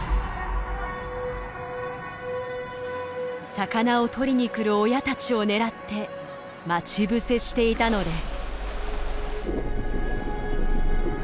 魚を取りに来る親たちを狙って待ち伏せしていたのです。